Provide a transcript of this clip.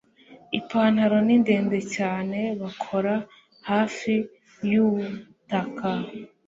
Ipantaro ni ndende cyane Bakora hafi yubutaka